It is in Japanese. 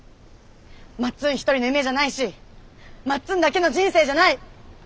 まっつん一人の夢じゃないしまっつんだけの人生じゃない！